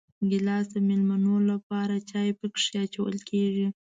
ګیلاس د مېلمنو لپاره چای پکې اچول کېږي.